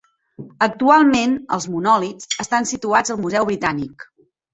Actualment els monòlits estan situats al Museu Britànic.